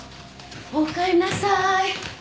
おかえりなさい。